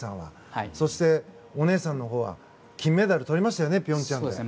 そして、お姉さんのほうは金メダルとりましたよね平昌で。